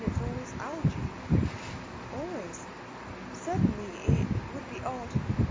It's always Algy." "Always. Certainly, it would be odd."